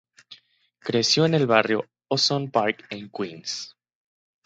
Creció en el barrio Ozone Park, en Queens.